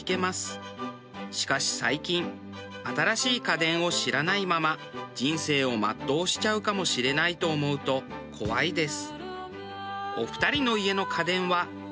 しかし最近新しい家電を知らないまま人生を全うしちゃうかもしれないと思うと怖いです。